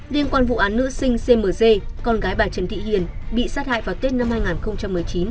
liên quan vụ án nữ sinh cmc con gái bà trần thị hiền bị sát hại vào tết năm hai nghìn một mươi chín